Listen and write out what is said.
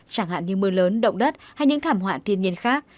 chẳng hạn như mưa lớn động đất hay những thảm họa thiên nhiên khác